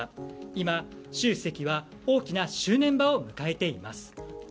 今、習主席は大きな正念場を迎えています。